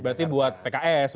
berarti buat pks